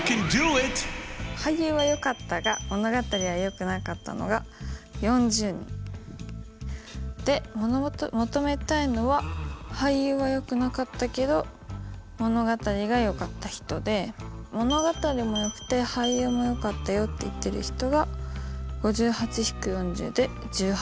俳優はよかったが物語はよくなかったのが４０人。で求めたいのは俳優はよくなかったけど物語がよかった人で物語もよくて俳優もよかったよって言ってる人が５８−４０で１８。